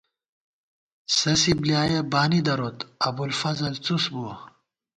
سَسی بۡلیایَہ بانی دروت، ابُوالفضل څُس بُوَہ